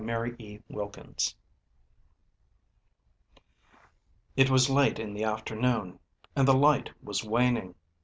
D. Campbell) IT was late in the afternoon, and the light was waning.